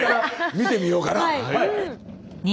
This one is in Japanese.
見てみようかな。